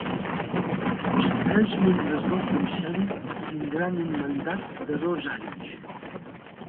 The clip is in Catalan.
Els tres membres del Consell tindran un mandat de dos anys.